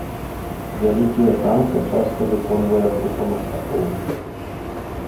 Вялікія танка часта выконвае група мастакоў.